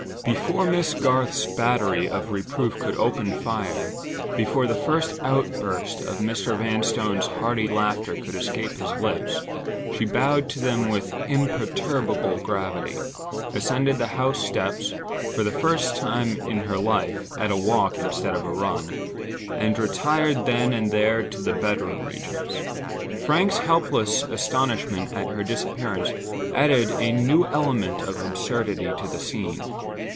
Before Miss Garth's battery of reproof could open fire, before the first outburst of Mr. Vanstone's hearty laughter could escape his lips, she bowed to them with imperturbable gravity; ascended the house steps, for the first time in her life, at a walk instead of a run, and retired then and there to the bedroom regions. Frank's helpless astonishment at her disappearance added a new element of absurdity to the scene.